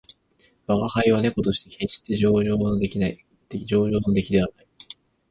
吾輩は猫として決して上乗の出来ではない